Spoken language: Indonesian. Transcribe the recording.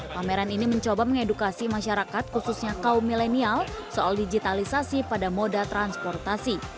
pameran ini mencoba mengedukasi masyarakat khususnya kaum milenial soal digitalisasi pada moda transportasi